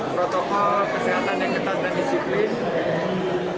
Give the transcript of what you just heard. protokol kesehatan yang ketat dan disiplin